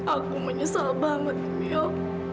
aku menyesal banget mil